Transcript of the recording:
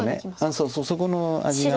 そうそうそこの味が。